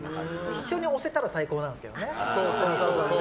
一緒に推せたら最高なんですけどね。